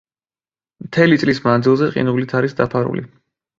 მთელი წლის მანძილზე ყინულით არის დაფარული.